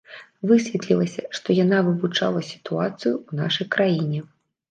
Высветлілася, што яна вывучала сітуацыю ў нашай краіне.